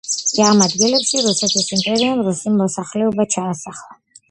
ამ ადგილებში რუსეთის იმპერიამ რუსი მოსახლეობა ჩაასახლა.